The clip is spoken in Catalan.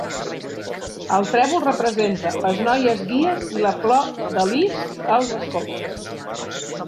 El trèvol representa les noies guies i la flor de lis els escoltes.